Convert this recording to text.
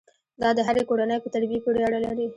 دا د هرې کورنۍ په تربیې پورې اړه لري.